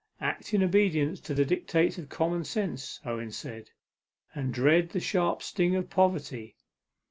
"Act in obedience to the dictates of common sense," Owen said, "and dread the sharp sting of poverty.